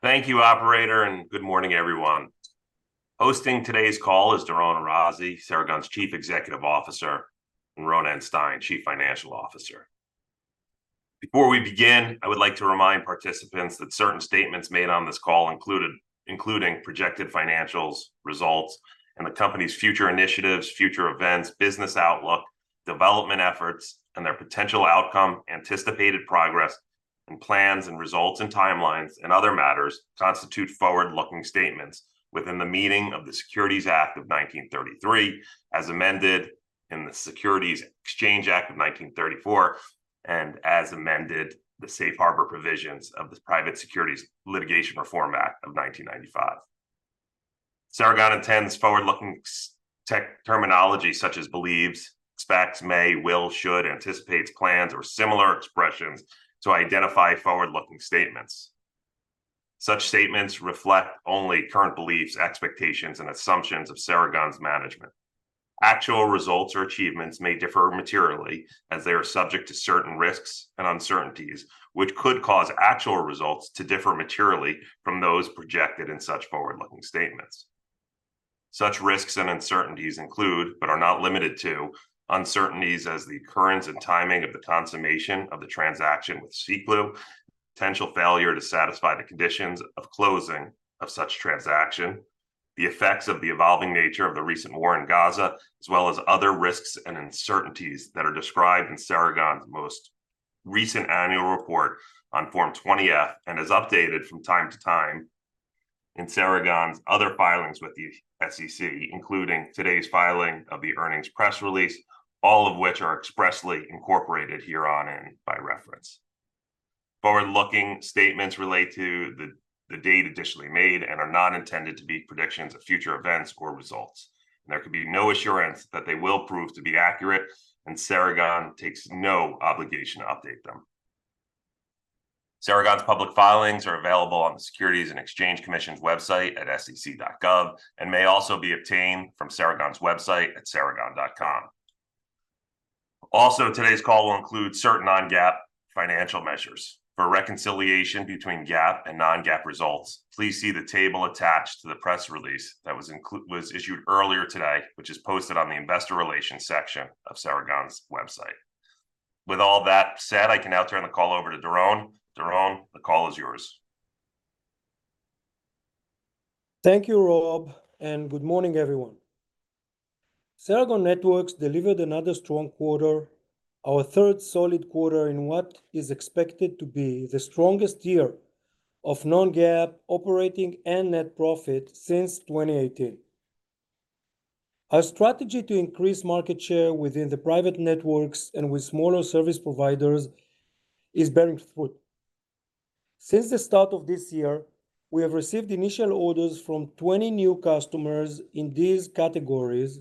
Thank you, operator, and good morning, everyone. Hosting today's call is Doron Arazi, Ceragon's Chief Executive Officer, and Ronen Stein, Chief Financial Officer. Before we begin, I would like to remind participants that certain statements made on this call including projected financials, results, and the company's future initiatives, future events, business outlook, development efforts, and their potential outcome, anticipated progress, and plans and results, and timelines, and other matters, constitute forward-looking statements within the meaning of the Securities Act of 1933, as amended in the Securities Exchange Act of 1934, and as amended, the safe harbor provisions of the Private Securities Litigation Reform Act of 1995. Ceragon intends forward-looking terminology, such as believes, expects, may, will, should, anticipates, plans, or similar expressions to identify forward-looking statements. Such statements reflect only current beliefs, expectations, and assumptions of Ceragon's management. Actual results or achievements may differ materially as they are subject to certain risks and uncertainties, which could cause actual results to differ materially from those projected in such forward-looking statements. Such risks and uncertainties include, but are not limited to, uncertainties as the occurrence and timing of the consummation of the transaction with Siklu, potential failure to satisfy the conditions of closing of such transaction, the effects of the evolving nature of the recent war in Gaza, as well as other risks and uncertainties that are described in Ceragon's most recent annual report on Form 20-F, and as updated from time to time in Ceragon's other filings with the SEC, including today's filing of the earnings press release, all of which are expressly incorporated herein by reference. Forward-looking statements relate to the date additionally made and are not intended to be predictions of future events or results, and there can be no assurance that they will prove to be accurate, and Ceragon takes no obligation to update them. Ceragon's public filings are available on the Securities and Exchange Commission's website at sec.gov and may also be obtained from Ceragon's website at ceragon.com. Also, today's call will include certain non-GAAP financial measures. For reconciliation between GAAP and non-GAAP results, please see the table attached to the press release that was issued earlier today, which is posted on the Investor Relations section of Ceragon's website. With all that said, I can now turn the call over to Doron. Doron, the call is yours. Thank you, Rob, and good morning, everyone. Ceragon Networks delivered another strong quarter, our third solid quarter in what is expected to be the strongest year of non-GAAP operating and net profit since 2018. Our strategy to increase market share within the private networks and with smaller service providers is bearing fruit. Since the start of this year, we have received initial orders from 20 new customers in these categories,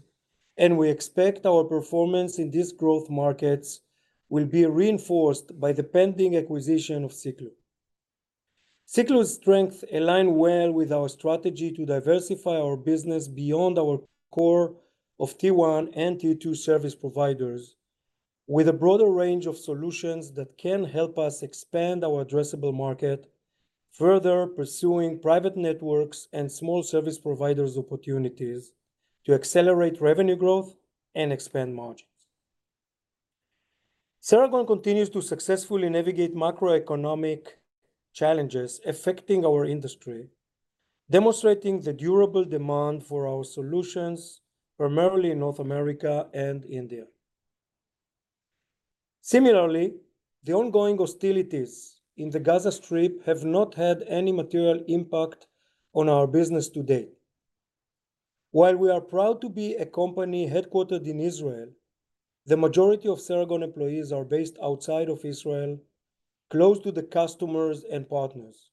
and we expect our performance in these growth markets will be reinforced by the pending acquisition of Siklu. Siklu's strength align well with our strategy to diversify our business beyond our core of Tier 1 and Tier 2 service providers, with a broader range of solutions that can help us expand our addressable market, further pursuing private networks and small service providers opportunities to accelerate revenue growth and expand margins. Ceragon continues to successfully navigate macroeconomic challenges affecting our industry, demonstrating the durable demand for our solutions, primarily in North America and India. Similarly, the ongoing hostilities in the Gaza Strip have not had any material impact on our business to date. While we are proud to be a company headquartered in Israel, the majority of Ceragon employees are based outside of Israel, close to the customers and partners.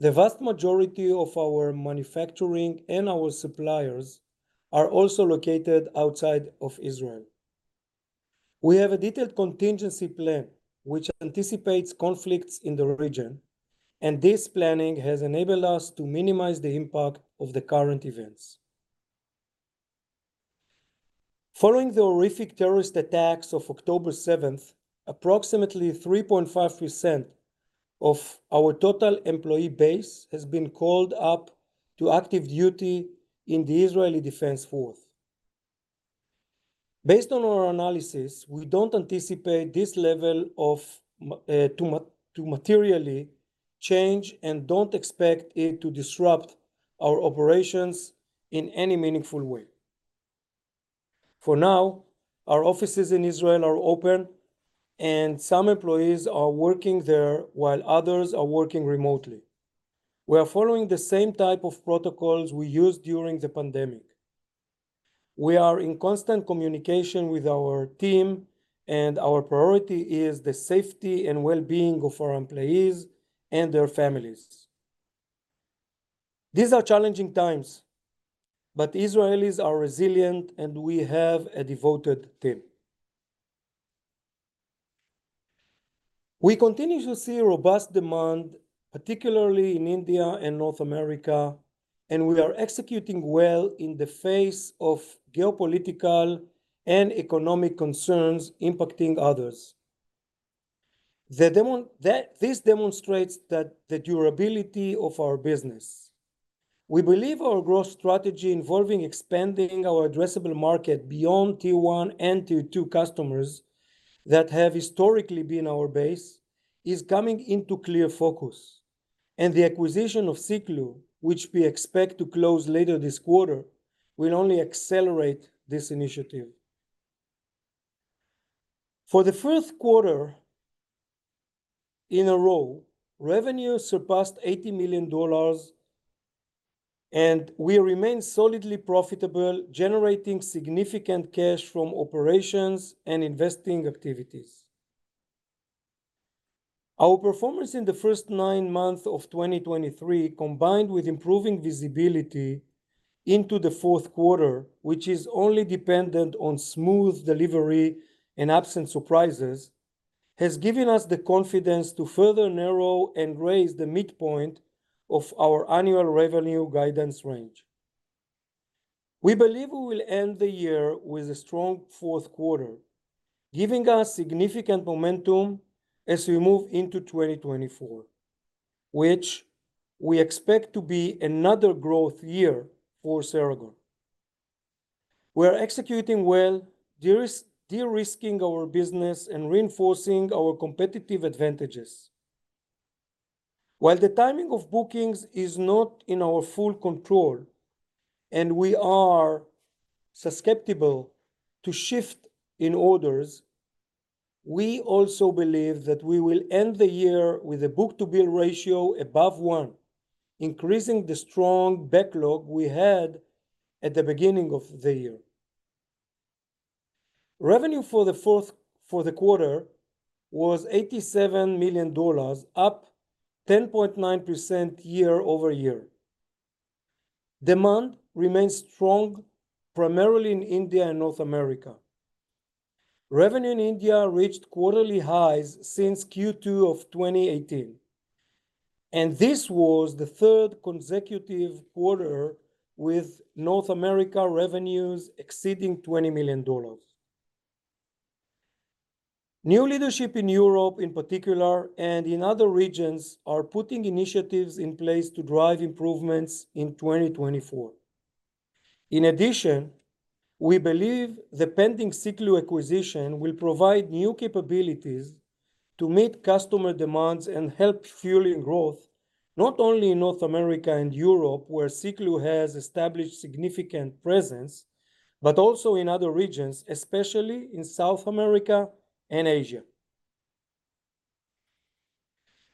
The vast majority of our manufacturing and our suppliers are also located outside of Israel. We have a detailed contingency plan which anticipates conflicts in the region, and this planning has enabled us to minimize the impact of the current events. Following the horrific terrorist attacks of October seventh, approximately 3.5% of our total employee base has been called up to active duty in the Israel Defense Forces. Based on our analysis, we don't anticipate this level to materially change and don't expect it to disrupt our operations in any meaningful way. For now, our offices in Israel are open, and some employees are working there, while others are working remotely. We are following the same type of protocols we used during the pandemic. We are in constant communication with our team, and our priority is the safety and well-being of our employees and their families. These are challenging times, but Israelis are resilient, and we have a devoted team. We continue to see robust demand, particularly in India and North America, and we are executing well in the face of geopolitical and economic concerns impacting others. This demonstrates that the durability of our business. We believe our growth strategy involving expanding our addressable market beyond Tier One and Tier Two customers that have historically been our base, is coming into clear focus, and the acquisition of S, which we expect to close later this quarter, will only accelerate this initiative. For the fourth quarter in a row, revenue surpassed $80 million, and we remain solidly profitable, generating significant cash from operations and investing activities. Our performance in the first nine months of 2023, combined with improving visibility into the fourth quarter, which is only dependent on smooth delivery and absent surprises, has given us the confidence to further narrow and raise the midpoint of our annual revenue guidance range. We believe we will end the year with a strong fourth quarter, giving us significant momentum as we move into 2024, which we expect to be another growth year for Ceragon. We are executing well, de-risking our business and reinforcing our competitive advantages. While the timing of bookings is not in our full control, and we are susceptible to shift in orders, we also believe that we will end the year with a book-to-bill ratio above one, increasing the strong backlog we had at the beginning of the year. Revenue for the fourth quarter was $87 million, up 10.9% year-over-year. Demand remains strong, primarily in India and North America. Revenue in India reached quarterly highs since Q2 of 2018, and this was the third consecutive quarter with North America revenues exceeding $20 million. New leadership in Europe in particular, and in other regions, are putting initiatives in place to drive improvements in 2024. In addition, we believe the pending Siklu acquisition will provide new capabilities to meet customer demands and help fueling growth, not only in North America and Europe, where Siklu has established significant presence, but also in other regions, especially in South America and Asia.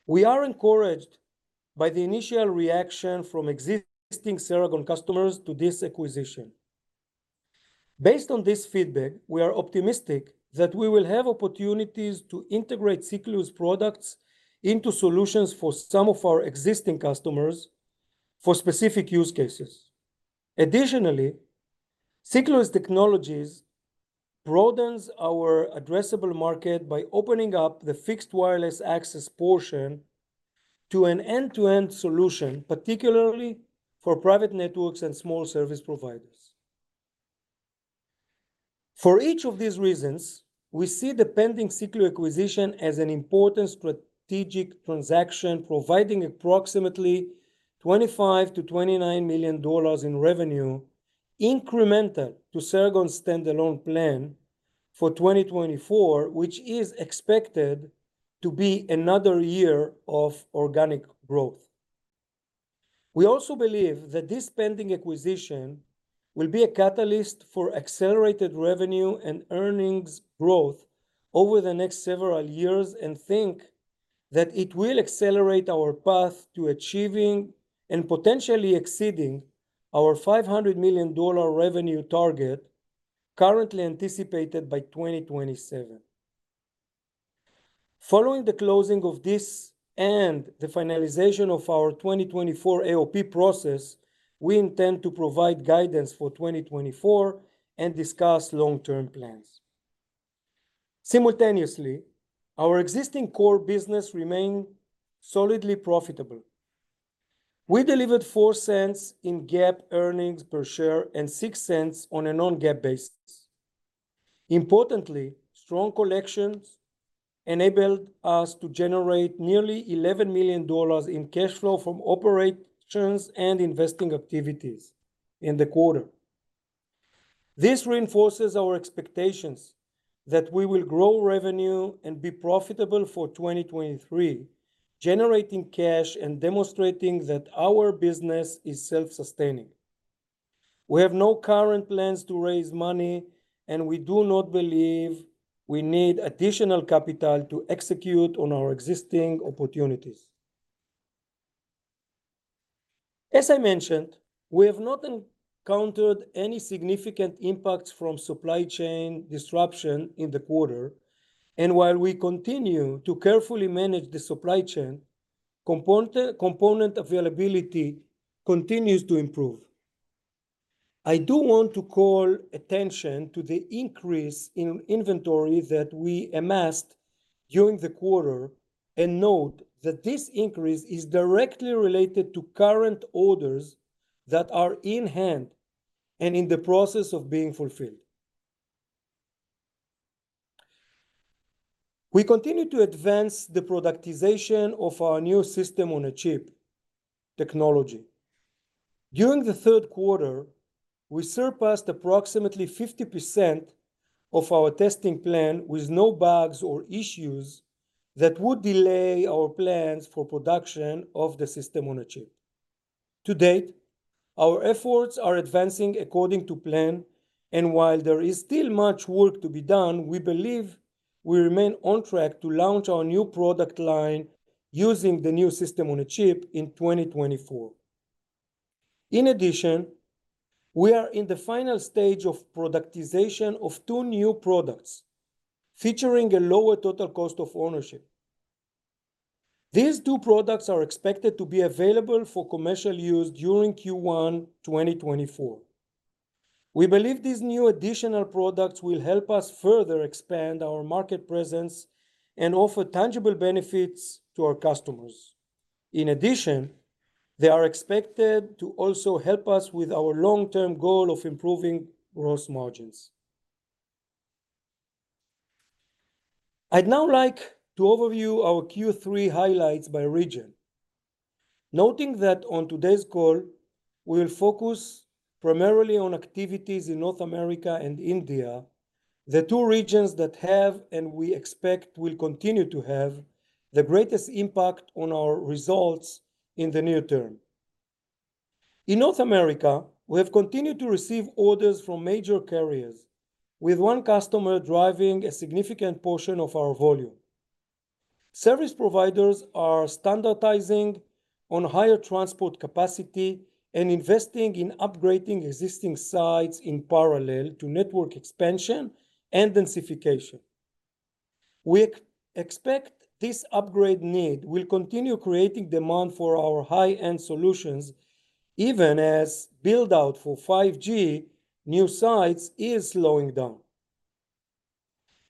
We are encouraged by the initial reaction from existing Ceragon customers to this acquisition. Based on this feedback, we are optimistic that we will have opportunities to integrate Siklu's products into solutions for some of our existing customers for specific use cases. Additionally, Siklu's technologies broadens our addressable market by opening up the fixed wireless access portion to an end-to-end solution, particularly for private networks and small service providers. For each of these reasons, we see the pending Siklu acquisition as an important strategic transaction, providing approximately $25 million-$29 million in revenue, incremental to Ceragon's standalone plan for 2024, which is expected to be another year of organic growth. We also believe that this pending acquisition will be a catalyst for accelerated revenue and earnings growth over the next several years, and think that it will accelerate our path to achieving and potentially exceeding our $500 million revenue target, currently anticipated by 2027. Following the closing of this and the finalization of our 2024 AOP process, we intend to provide guidance for 2024 and discuss long-term plans. Simultaneously, our existing core business remain solidly profitable. We delivered $0.04 in GAAP earnings per share and $0.06 on a non-GAAP basis. Importantly, strong collections enabled us to generate nearly $11 million in cash flow from operations and investing activities in the quarter. This reinforces our expectations that we will grow revenue and be profitable for 2023, generating cash and demonstrating that our business is self-sustaining. We have no current plans to raise money, and we do not believe we need additional capital to execute on our existing opportunities. As I mentioned, we have not encountered any significant impacts from supply chain disruption in the quarter, and while we continue to carefully manage the supply chain, component availability continues to improve. I do want to call attention to the increase in inventory that we amassed during the quarter, and note that this increase is directly related to current orders that are in hand and in the process of being fulfilled. We continue to advance the productization of our new system on a chip technology. During the third quarter, we surpassed approximately 50% of our testing plan with no bugs or issues that would delay our plans for production of the system on a chip. To date, our efforts are advancing according to plan, and while there is still much work to be done, we believe we remain on track to launch our new product line using the new system on a chip in 2024. In addition, we are in the final stage of productization of two new products, featuring a lower total cost of ownership. These two products are expected to be available for commercial use during Q1 2024. We believe these new additional products will help us further expand our market presence and offer tangible benefits to our customers. In addition, they are expected to also help us with our long-term goal of improving gross margins. I'd now like to overview our Q3 highlights by region, noting that on today's call, we'll focus primarily on activities in North America and India, the two regions that have, and we expect will continue to have, the greatest impact on our results in the near term. In North America, we have continued to receive orders from major carriers, with one customer driving a significant portion of our volume. Service providers are standardizing on higher transport capacity and investing in upgrading existing sites in parallel to network expansion and densification. We expect this upgrade need will continue creating demand for our high-end solutions, even as build-out for 5G new sites is slowing down.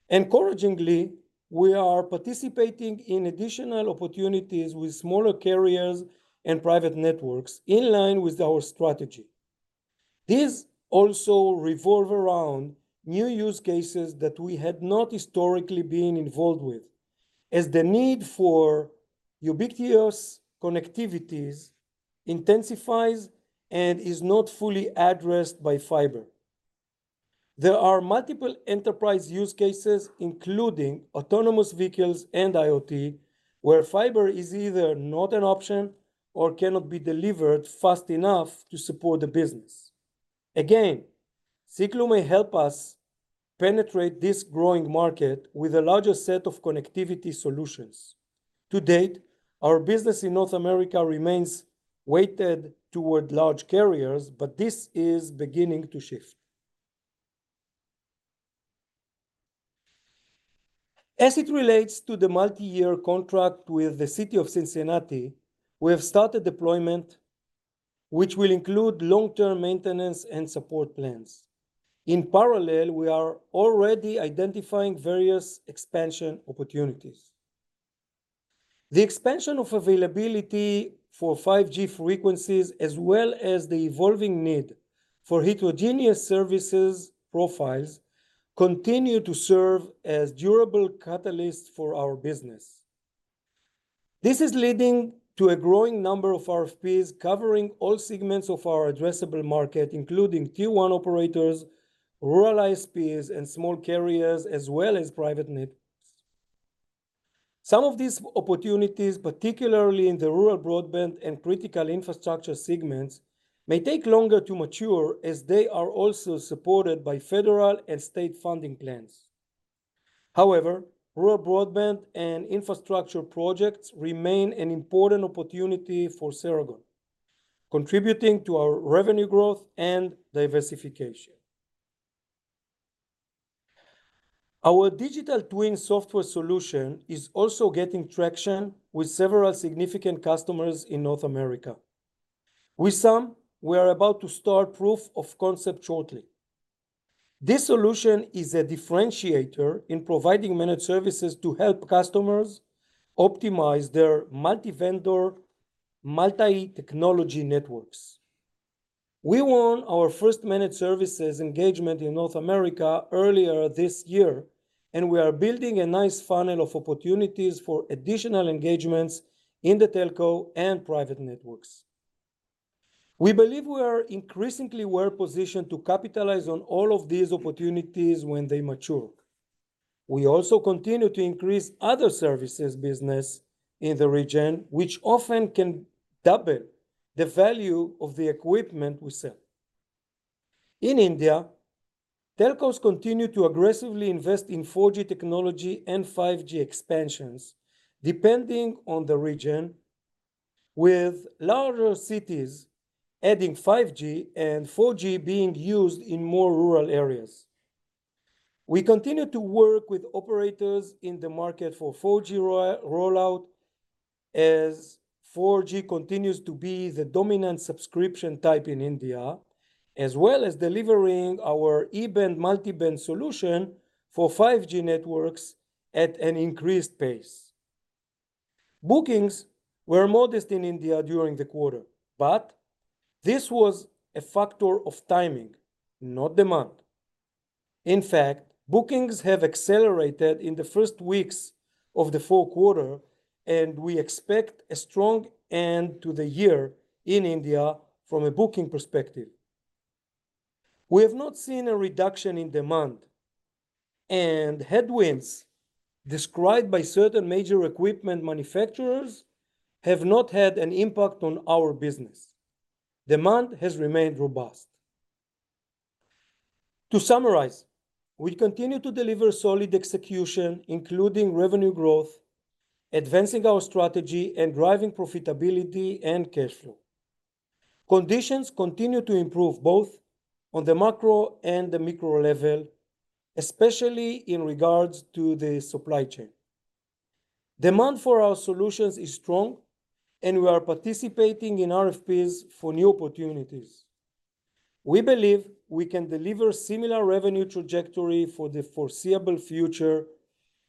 Encouragingly, we are participating in additional opportunities with smaller carriers and private networks in line with our strategy. These also revolve around new use cases that we had not historically been involved with, as the need for ubiquitous connectivities intensifies and is not fully addressed by fiber. There are multiple enterprise use cases, including autonomous vehicles and IoT, where fiber is either not an option or cannot be delivered fast enough to support the business. Again, Siklu may help us penetrate this growing market with a larger set of connectivity solutions. To date, our business in North America remains weighted toward large carriers, but this is beginning to shift. As it relates to the multi-year contract with the city of Cincinnati, we have started deployment, which will include long-term maintenance and support plans. In parallel, we are already identifying various expansion opportunities. The expansion of availability for 5G frequencies, as well as the evolving need for heterogeneous services profiles, continue to serve as durable catalysts for our business. This is leading to a growing number of RFPs covering all segments of our addressable market, including Tier One operators, rural ISPs, and small carriers, as well as private networks. Some of these opportunities, particularly in the rural broadband and critical infrastructure segments, may take longer to mature as they are also supported by federal and state funding plans. However, rural broadband and infrastructure projects remain an important opportunity for Ceragon, contributing to our revenue growth and diversification. Our digital twin software solution is also getting traction with several significant customers in North America. With some, we are about to start proof of concept shortly. This solution is a differentiator in providing managed services to help customers optimize their multi-vendor, multi-technology networks. We won our first managed services engagement in North America earlier this year, and we are building a nice funnel of opportunities for additional engagements in the telco and private networks. We believe we are increasingly well positioned to capitalize on all of these opportunities when they mature. We also continue to increase other services business in the region, which often can double the value of the equipment we sell. In India, telcos continue to aggressively invest in 4G technology and 5G expansions, depending on the region, with larger cities adding 5G and 4G being used in more rural areas. We continue to work with operators in the market for 4G rollout, as 4G continues to be the dominant subscription type in India, as well as delivering our E-band multi-band solution for 5G networks at an increased pace. Bookings were modest in India during the quarter, but this was a factor of timing, not demand. In fact, bookings have accelerated in the first weeks of the fourth quarter, and we expect a strong end to the year in India from a booking perspective. We have not seen a reduction in demand, and headwinds described by certain major equipment manufacturers have not had an impact on our business. Demand has remained robust. To summarize, we continue to deliver solid execution, including revenue growth, advancing our strategy, and driving profitability and cash flow. Conditions continue to improve both on the macro and the micro level, especially in regards to the supply chain. Demand for our solutions is strong, and we are participating in RFPs for new opportunities. We believe we can deliver similar revenue trajectory for the foreseeable future,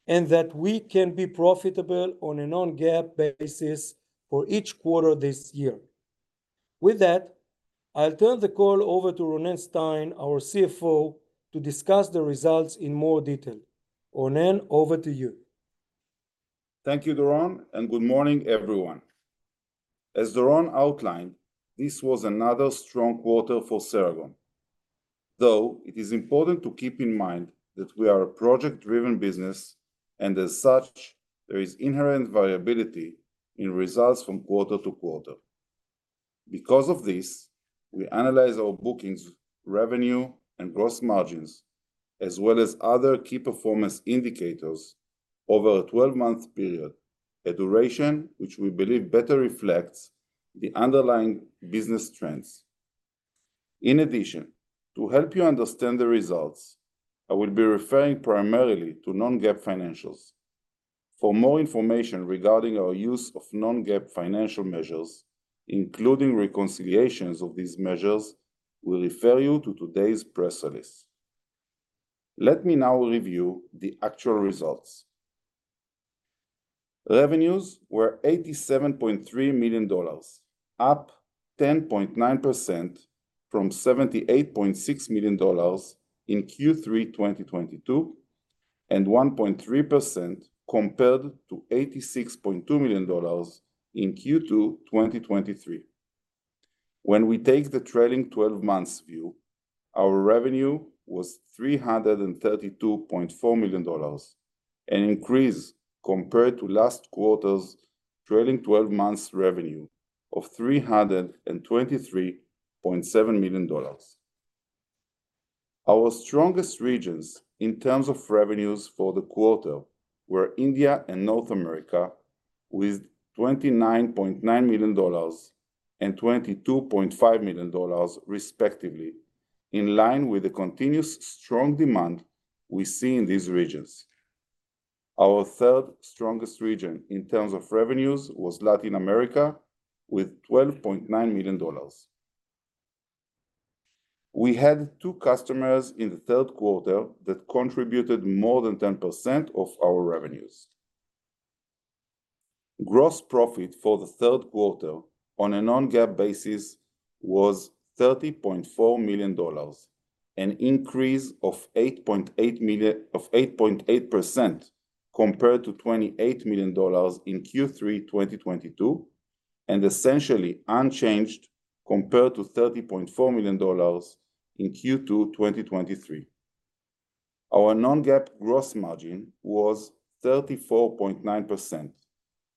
and that we can be profitable on a non-GAAP basis for each quarter this year. With that, I'll turn the call over to Ronen Stein, our CFO, to discuss the results in more detail. Ronen, over to you. Thank you, Doron, and good morning, everyone. As Doron outlined, this was another strong quarter for Ceragon, though it is important to keep in mind that we are a project-driven business, and as such, there is inherent variability in results from quarter to quarter. Because of this, we analyze our bookings, revenue, and gross margins, as well as other key performance indicators over a twelve-month period, a duration which we believe better reflects the underlying business trends. In addition, to help you understand the results, I will be referring primarily to non-GAAP financials. For more information regarding our use of non-GAAP financial measures, including reconciliations of these measures, we refer you to today's press release. Let me now review the actual results. Revenues were $87.3 million, up 10.9% from $78.6 million in Q3 2022, and 1.3% compared to $86.2 million in Q2 2023. When we take the trailing twelve months view, our revenue was $332.4 million, an increase compared to last quarter's trailing twelve months revenue of $323.7 million. Our strongest regions in terms of revenues for the quarter were India and North America, with $29.9 million and $22.5 million, respectively, in line with the continuous strong demand we see in these regions. Our third strongest region in terms of revenues was Latin America, with $12.9 million. We had two customers in the third quarter that contributed more than 10% of our revenues. Gross profit for the third quarter on a non-GAAP basis was $30.4 million, an increase of 8.8% compared to $28 million in Q3 2022, and essentially unchanged compared to $30.4 million in Q2 2023. Our non-GAAP gross margin was 34.9%,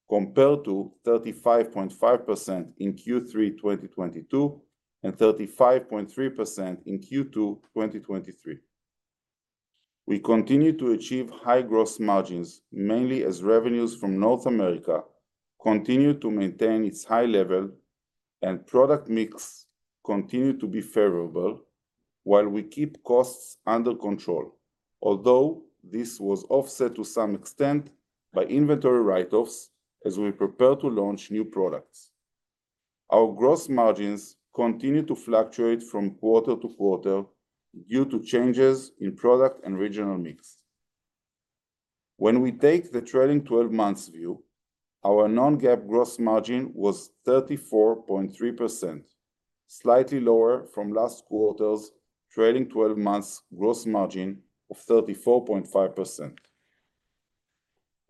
compared to 35.5% in Q3 2022, and 35.3% in Q2 2023. We continue to achieve high gross margins, mainly as revenues from North America continue to maintain its high level and product mix continue to be favorable, while we keep costs under control. Although this was offset to some extent by inventory write-offs as we prepare to launch new products. Our gross margins continue to fluctuate from quarter to quarter due to changes in product and regional mix. When we take the trailing twelve months view, our non-GAAP gross margin was 34.3%, slightly lower from last quarter's trailing twelve months gross margin of 34.5%.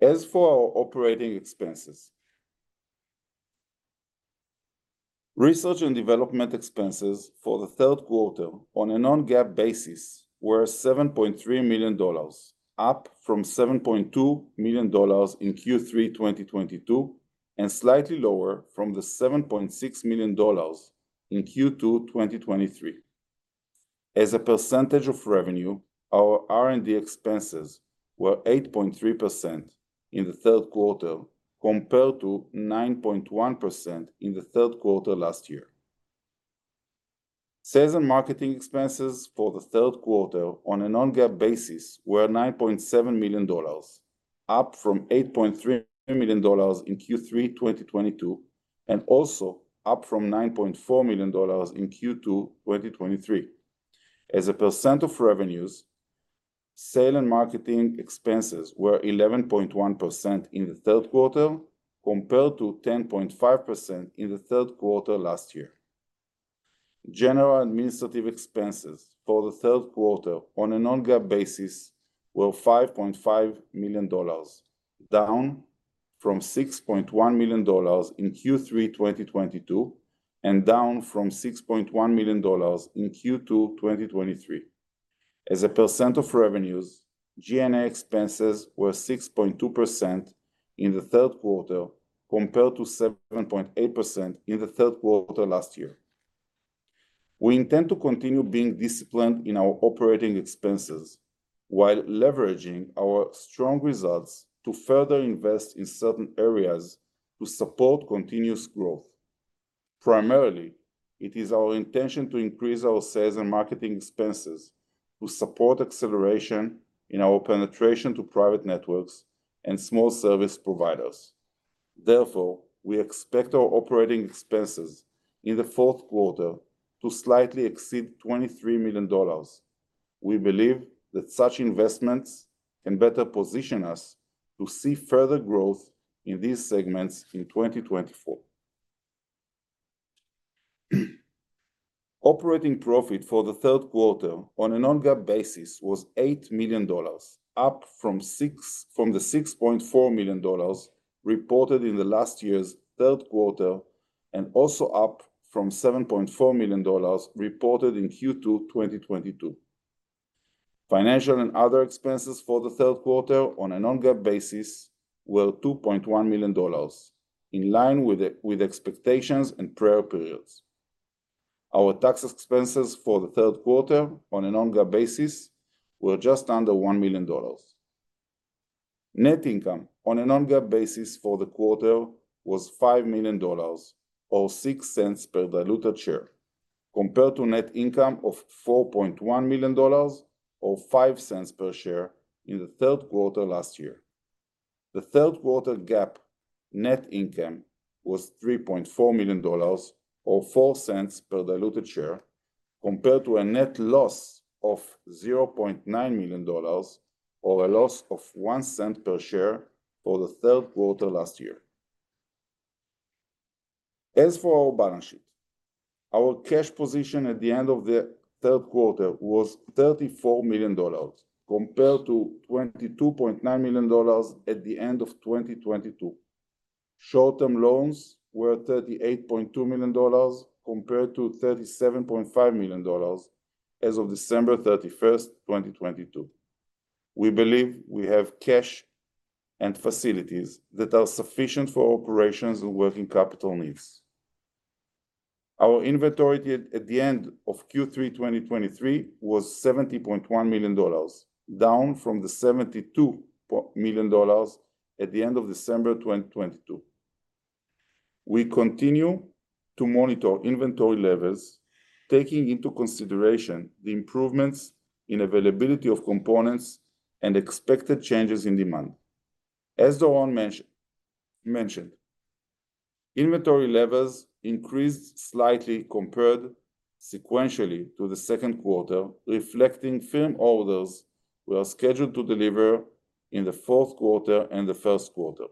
As for our operating expenses, research and development expenses for the third quarter on a non-GAAP basis were $7.3 million, up from $7.2 million in Q3 2022, and slightly lower from the $7.6 million in Q2 2023. As a percentage of revenue, our R&D expenses were 8.3% in the third quarter, compared to 9.1% in the third quarter last year. Sales and marketing expenses for the third quarter on a non-GAAP basis were $9.7 million, up from $8.3 million in Q3 2022, and also up from $9.4 million in Q2 2023. As a percent of revenues, sales and marketing expenses were 11.1% in the third quarter, compared to 10.5% in the third quarter last year. General administrative expenses for the third quarter on a non-GAAP basis were $5.5 million, down from $6.1 million in Q3 2022, and down from $6.1 million in Q2 2023. As a percent of revenues, G&A expenses were 6.2% in the third quarter, compared to 7.8% in the third quarter last year. We intend to continue being disciplined in our operating expenses while leveraging our strong results to further invest in certain areas to support continuous growth. Primarily, it is our intention to increase our sales and marketing expenses to support acceleration in our penetration to private networks and small service providers. Therefore, we expect our operating expenses in the fourth quarter to slightly exceed $23 million. We believe that such investments can better position us to see further growth in these segments in 2024. Operating profit for the third quarter on a non-GAAP basis was $8 million, up from 6, from the $6.4 million reported in the last year's third quarter, and also up from $7.4 million reported in Q2 2022. Financial and other expenses for the third quarter on a non-GAAP basis were $2.1 million, in line with expectations and prior periods. Our tax expenses for the third quarter on a non-GAAP basis were just under $1 million. Net income on a non-GAAP basis for the quarter was $5 million, or $0.06 per diluted share, compared to net income of $4.1 million, or $0.05 per share in the third quarter last year. The third quarter GAAP net income was $3.4 million, or $0.04 per diluted share, compared to a net loss of $0.9 million, or a loss of $0.01 per share for the third quarter last year. As for our balance sheet, our cash position at the end of the third quarter was $34 million, compared to $22.9 million at the end of 2022. Short-term loans were $38.2 million, compared to $37.5 million as of December 31, 2022. We believe we have cash and facilities that are sufficient for operations and working capital needs. Our inventory at the end of Q3 2023 was $70.1 million, down from the $72 million at the end of December 2022. We continue to monitor inventory levels, taking into consideration the improvements in availability of components and expected changes in demand. As Doron mentioned, inventory levels increased slightly compared sequentially to the second quarter, reflecting firm orders we are scheduled to deliver in the fourth quarter and the first quarter.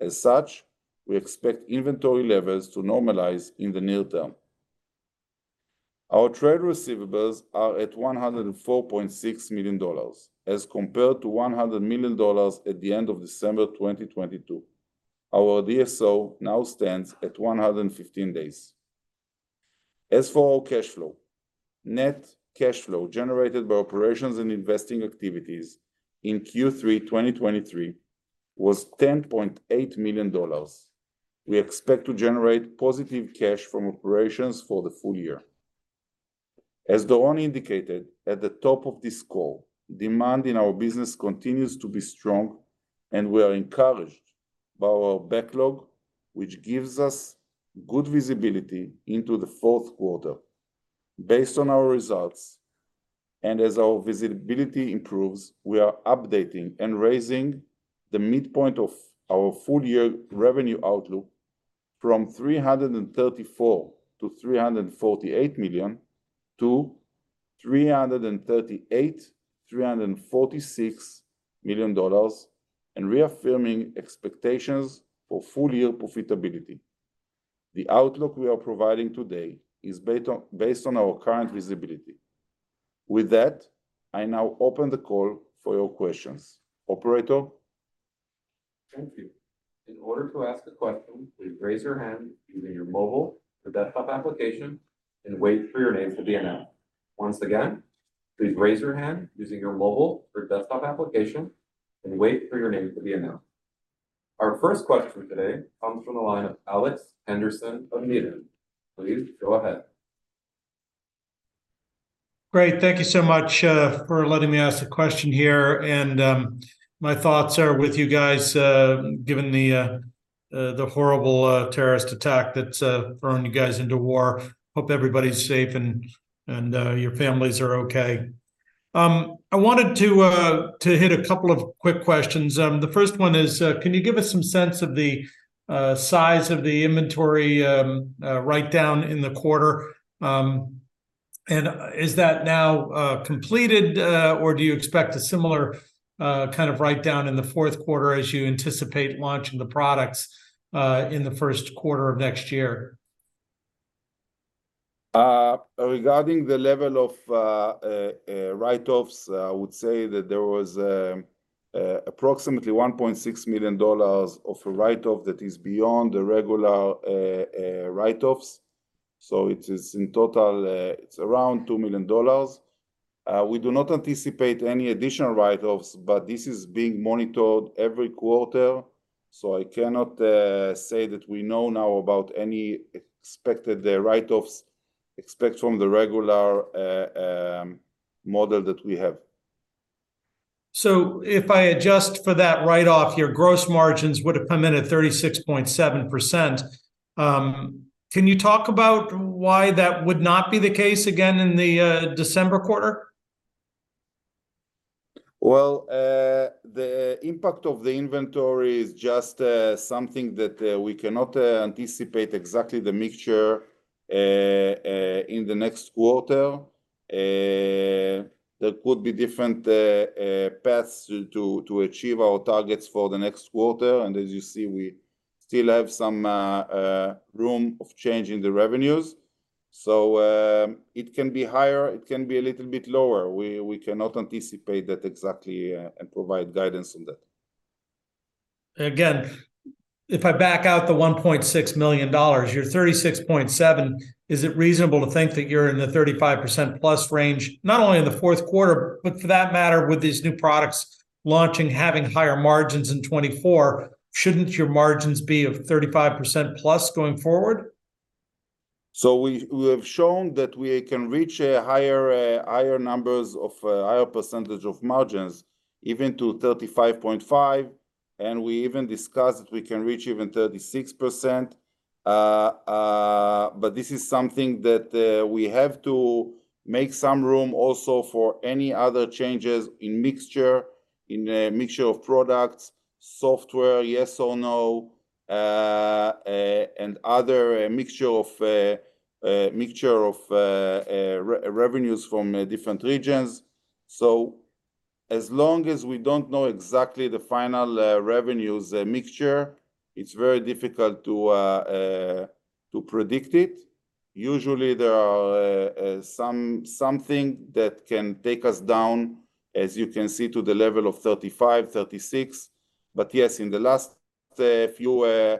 As such, we expect inventory levels to normalize in the near term. Our trade receivables are at $104.6 million as compared to $100 million at the end of December 2022. Our DSO now stands at 115 days. As for our cash flow, net cash flow generated by operations and investing activities in Q3 2023 was $10.8 million. We expect to generate positive cash from operations for the full year. As Doron indicated at the top of this call, demand in our business continues to be strong, and we are encouraged by our backlog, which gives us good visibility into the fourth quarter. Based on our results, and as our visibility improves, we are updating and raising the midpoint of our full-year revenue outlook from $334 million-$348 million, to $338 million-$346 million, and reaffirming expectations for full-year profitability. The outlook we are providing today is based on, based on our current visibility. With that, I now open the call for your questions. Operator? Thank you. In order to ask a question, please raise your hand using your mobile or desktop application and wait for your name to be announced. Once again, please raise your hand using your mobile or desktop application and wait for your name to be announced. Our first question today comes from the line of Alex Henderson of Needham. Please go ahead. Great, Thank you so much for letting me ask a question here. My thoughts are with you guys given the horrible terrorist attack that's thrown you guys into war. Hope everybody's safe and your families are okay. I wanted to hit a couple of quick questions. The first one is, can you give us some sense of the size of the inventory write-down in the quarter? And is that now completed, or do you expect a similar kind of write-down in the fourth quarter as you anticipate launching the products in the first quarter of next year? Regarding the level of write-offs, I would say that there was approximately $1.6 million of write-off that is beyond the regular write-offs. So it is, in total, it's around $2 million. We do not anticipate any additional write-offs, but this is being monitored every quarter, so I cannot say that we know now about any expected write-offs, except from the regular model that we have. If I adjust for that write-off, your gross margins would have come in at 36.7%. Can you talk about why that would not be the case again in the December quarter? Well, the impact of the inventory is just something that we cannot anticipate exactly the mixture in the next quarter. There could be different paths to achieve our targets for the next quarter, and as you see, we still have some room of change in the revenues. So, it can be higher, it can be a little bit lower. We cannot anticipate that exactly and provide guidance on that. Again, if I back out the $1.6 million, your 36.7, is it reasonable to think that you're in the 35%+ range, not only in the fourth quarter, but for that matter, with these new products launching, having higher margins in 2024, shouldn't your margins be of 35%+ going forward? So we have shown that we can reach a higher percentage of margins, even to 35.5, and we even discussed that we can reach even 36%. But this is something that we have to make some room also for any other changes in mixture, in a mixture of products, software, yes or no, and other mixture of revenues from different regions. So as long as we don't know exactly the final revenues mixture, it's very difficult to predict it. Usually there are something that can take us down, as you can see, to the level of 35%, 36%. But yes, in the last few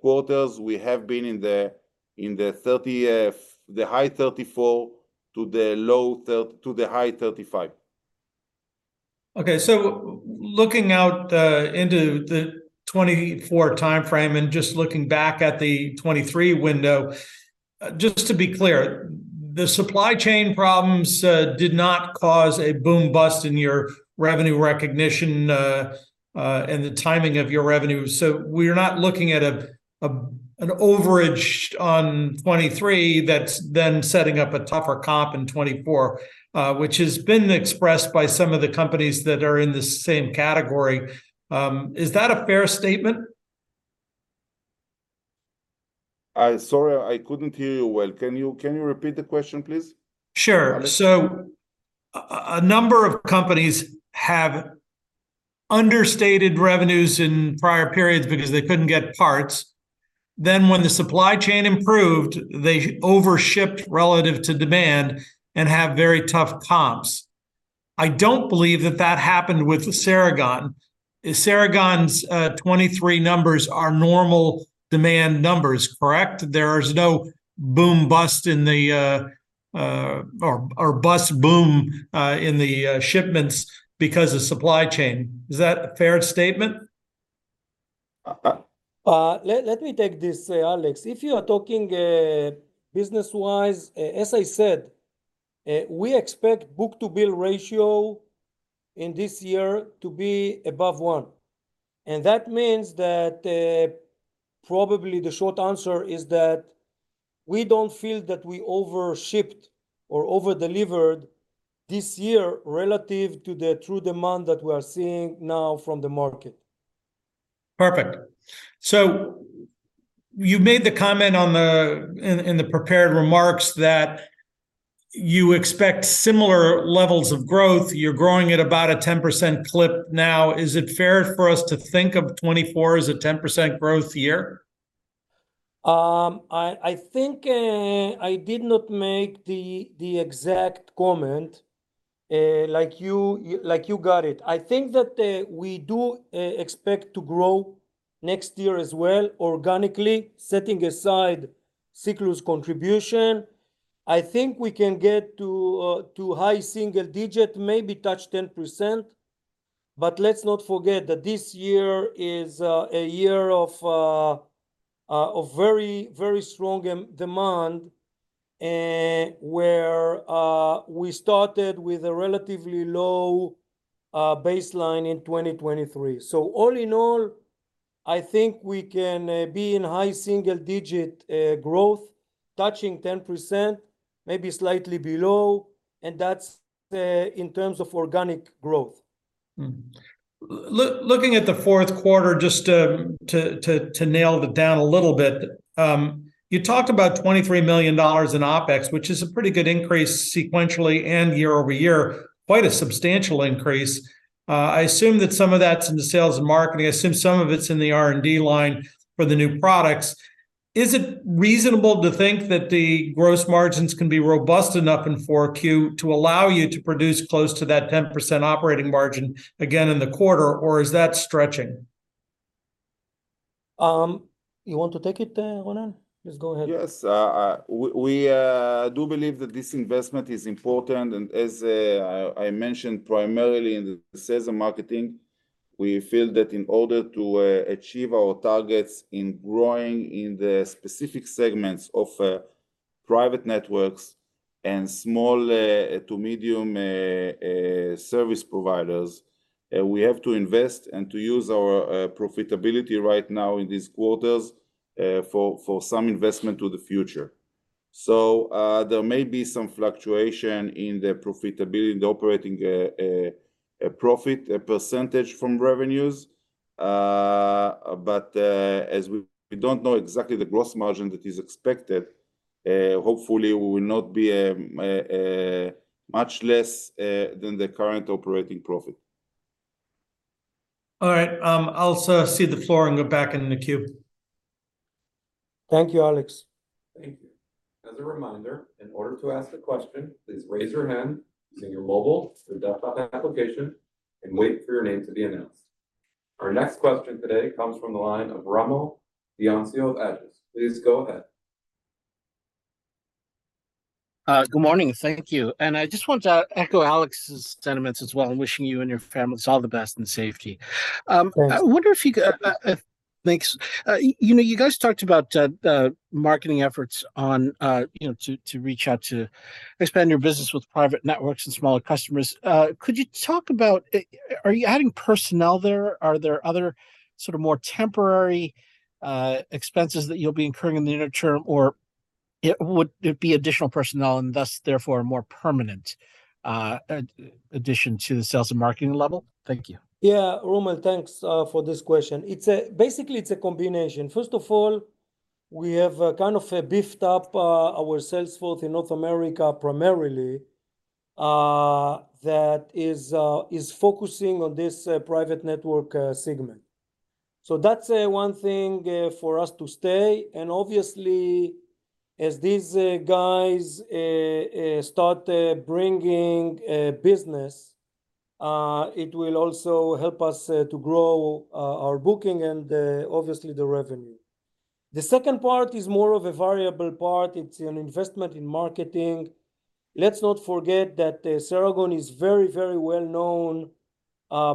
quarters, we have been in the thirties, the high 34 to the low thirties to the high 35. Okay. So looking out into the 2024 timeframe and just looking back at the 2023 window, just to be clear, the supply chain problems did not cause a boom-bust in your revenue recognition and the timing of your revenue. So we're not looking at an overage on 2023 that's then setting up a tougher comp in 2024, which has been expressed by some of the companies that are in the same category. Is that a fair statement? I'm sorry, I couldn't hear you well. Can you repeat the question, please? Sure. So, a number of companies have understated revenues in prior periods because they couldn't get parts. Then, when the supply chain improved, they over-shipped relative to demand and have very tough comps. I don't believe that that happened with Ceragon. Ceragon's 2023 numbers are normal demand numbers, correct? There's no boom-bust or bust-boom in the shipments because of supply chain. Is that a fair statement? Let me take this, Alex. If you are talking business-wise, as I said, we expect book-to-bill ratio in this year to be above one, and that means that, probably the short answer is that we don't feel that we over-shipped or over-delivered this year relative to the true demand that we are seeing now from the market. Perfect. So you made the comment in the prepared remarks that you expect similar levels of growth. You're growing at about a 10% clip now. Is it fair for us to think of 2024 as a 10% growth year? I think I did not make the exact comment like you got it. I think that we do expect to grow next year as well, organically, setting aside Siklu's contribution. I think we can get to high single-digit, maybe touch 10%. But let's not forget that this year is a year of very, very strong demand, where we started with a relatively low baseline in 2023. So all in all, I think we can be in high single-digit growth, touching 10%, maybe slightly below, and that's in terms of organic growth. Looking at the fourth quarter, just to nail it down a little bit, you talked about $23 million in OpEx, which is a pretty good increase sequentially and year over year. Quite a substantial increase. I assume that some of that's in the sales and marketing. I assume some of it's in the R&D line for the new products. Is it reasonable to think that the gross margins can be robust enough in Q4 to allow you to produce close to that 10% operating margin again in the quarter, or is that stretching? You want to take it, Ronen? Please go ahead. Yes. We do believe that this investment is important, and as I mentioned primarily in the sales and marketing, we feel that in order to achieve our targets in growing in the specific segments of private networks and small to medium service providers, we have to invest and to use our profitability right now in these quarters for some investment to the future. So, there may be some fluctuation in the profitability, the operating profit percentage from revenues. But as we don't know exactly the gross margin that is expected, hopefully we will not be much less than the current operating profit. All right, I'll cede the floor and go back in the queue. Thank you, Alex. Thank you. As a reminder, in order to ask a question, please raise your hand using your mobile or desktop application and wait for your name to be announced. Our next question today comes from the line of Rommel Dionisio of Aegis. Please go ahead. Good morning. Thank you. I just want to echo Alex's sentiments as well in wishing you and your families all the best and safety. Thanks. I wonder if you, thanks. You know, you guys talked about the marketing efforts on, you know, to reach out to expand your business with private networks and smaller customers. Could you talk about, are you adding personnel there? Are there other sort of more temporary expenses that you'll be incurring in the near term, or would it be additional personnel and thus therefore a more permanent addition to the sales and marketing level? Thank you. Yeah, Rommel, thanks for this question. It's basically a combination. First of all, we have kind of beefed up our sales force in North America primarily, that is focusing on this private network segment. So that's one thing for us to stay, and obviously, as these guys start bringing business, it will also help us to grow our booking and obviously the revenue. The second part is more of a variable part. It's an investment in marketing. Let's not forget that Ceragon is very, very well-known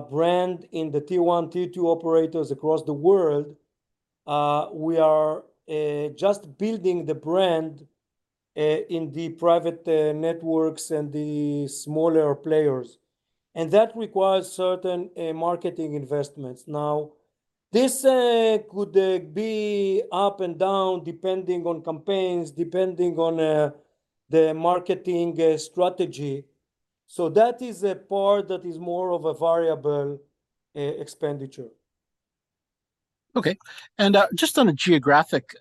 brand in the T1, T2 operators across the world. We are just building the brand in the private networks and the smaller players, and that requires certain marketing investments. Now, this could be up and down, depending on campaigns, depending on the marketing strategy. So that is a part that is more of a variable expenditure. Okay, And just on a geographic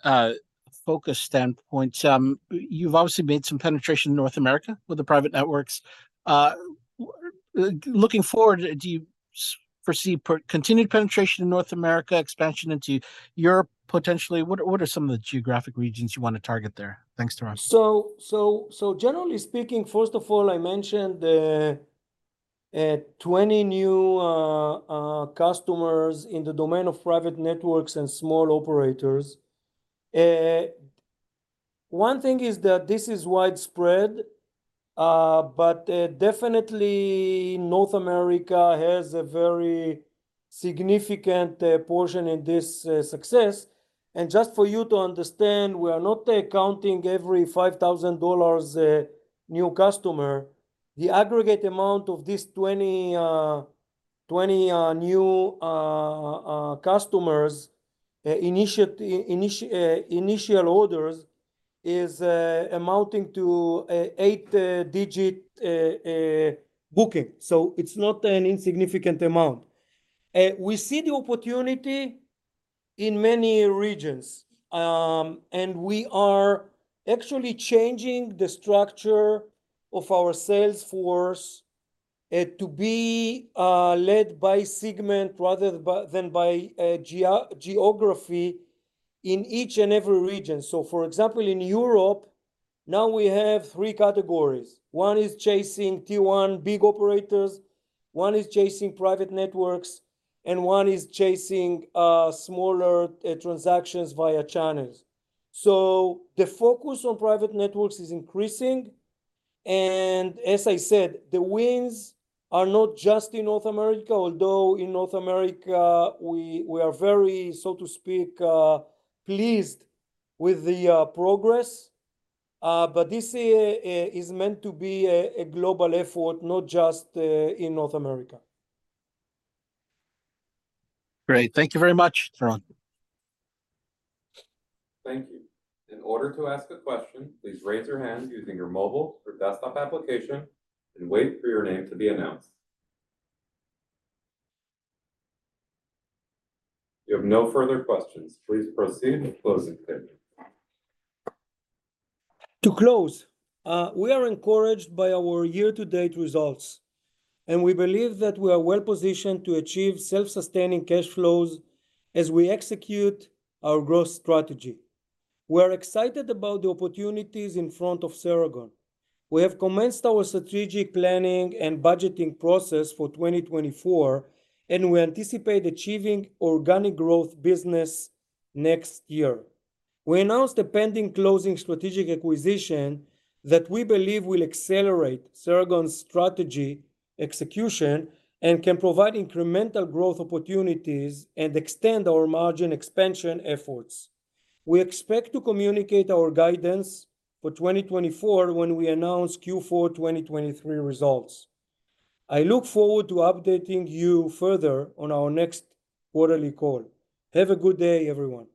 focus standpoint, you've obviously made some penetration in North America with the private networks. Looking forward, do you foresee continued penetration in North America, expansion into Europe, potentially? What, what are some of the geographic regions you want to target there? Thanks, Doron. So, generally speaking, first of all, I mentioned 20 new customers in the domain of private networks and small operators. One thing is that this is widespread, but definitely North America has a very significant portion in this success. And just for you to understand, we are not counting every $5,000 new customer. The aggregate amount of these 20 new customers' initial orders is amounting to an eight-digit booking, so it's not an insignificant amount. We see the opportunity in many regions, and we are actually changing the structure of our sales force to be led by segment rather than by geography in each and every region. So for example, in Europe, now we have three categories. One is chasing T1 big operators, one is chasing private networks, and one is chasing smaller transactions via channels. So the focus on private networks is increasing, and as I said, the wins are not just in North America, although in North America, we are very, so to speak, pleased with the progress. But this is meant to be a global effort, not just in North America. Great. Thank you very much, Doron. Thank you. In order to ask a question, please raise your hand using your mobile or desktop application and wait for your name to be announced. We have no further questions. Please proceed with closing statement. To close, we are encouraged by our year-to-date results, and we believe that we are well positioned to achieve self-sustaining cash flows as we execute our growth strategy. We are excited about the opportunities in front of Ceragon. We have commenced our strategic planning and budgeting process for 2024, and we anticipate achieving organic growth business next year. We announced a pending closing strategic acquisition that we believe will accelerate Ceragon's strategy, execution, and can provide incremental growth opportunities and extend our margin expansion efforts. We expect to communicate our guidance for 2024 when we announce Q4 2023 results. I look forward to updating you further on our next quarterly call. Have a good day, everyone.